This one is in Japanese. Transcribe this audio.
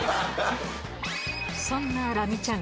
そんなラミちゃん